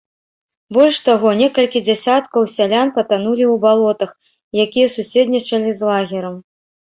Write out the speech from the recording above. Больш таго, некалькі дзясяткаў сялян патанулі ў балотах, якія суседнічалі з лагерам.